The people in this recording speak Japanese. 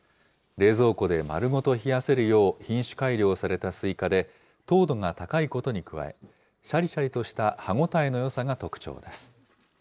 冷蔵庫で丸ごと冷やせるよう品種改良されたすいかで、糖度が高いことに加え、しゃりしゃりとした歯応えのよさが特長です。